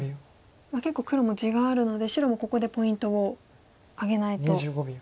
結構黒も地があるので白もここでポイントを挙げないといけないと。